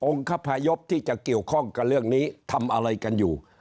คพยพที่จะเกี่ยวข้องกับเรื่องนี้ทำอะไรกันอยู่